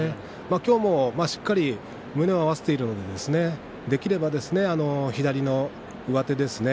今日もしっかり胸を合わせているのでできれば左の上手ですね。